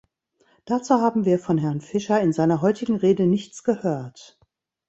Dazu haben wir von Herrn Fischer in seiner heutigen Rede nichts gehört.